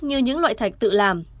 như những loại thạch tự làm